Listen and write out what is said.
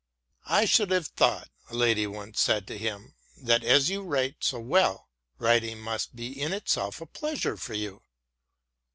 " I should have thought," a lady once said to him, " that as you write so well, writing must be in itself a pleasure to you."